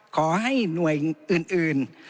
ขอให้หน่วยอื่น